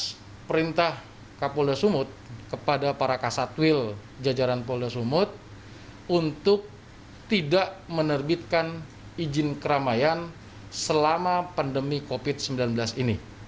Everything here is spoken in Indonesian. atas perintah kapolda sumut kepada para kasatwil jajaran polda sumut untuk tidak menerbitkan izin keramaian selama pandemi covid sembilan belas ini